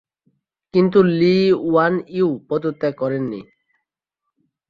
কিন্তু Lee Kuan Yew পদত্যাগ করেননি।